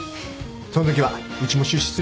そのときはうちも出資するよ。